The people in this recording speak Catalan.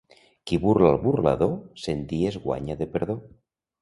Qui burla al burlador, cent dies guanya de perdó.